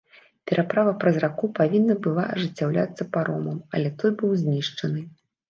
Пераправа праз раку павінна была ажыццяўляцца паромам, але той быў знішчаны.